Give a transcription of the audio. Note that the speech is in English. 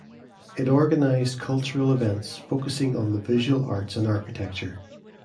It organized cultural events focusing on the visual arts and architecture.